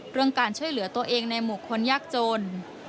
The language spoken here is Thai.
เรื่องการช่วยเหลือตัวเองในหมู่คนยากจน